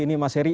ini mas heri